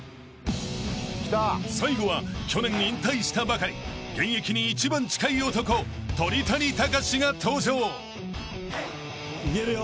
［最後は去年引退したばかり現役に一番近い男鳥谷敬が登場］